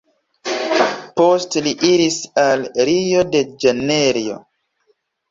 Poste li iris al Rio-de-Ĵanejro.